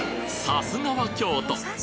さすがは京都！